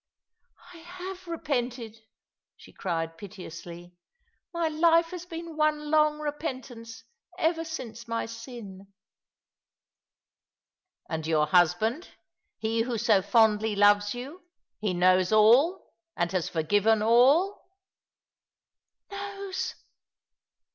I have repented," she cried piteously. " My life has been one long repentance ever since my sin." "And your husband — he who so fondly loves you — he knows ail, and has forgiven all ?" ''Knows!"